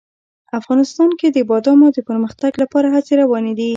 افغانستان کې د بادامو د پرمختګ لپاره هڅې روانې دي.